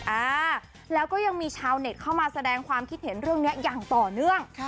อ่าแล้วก็ยังมีชาวเน็ตเข้ามาแสดงความคิดเห็นเรื่องนี้อย่างต่อเนื่อง